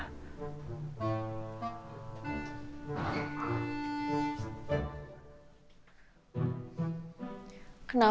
kenapa abah ninggalin wahyu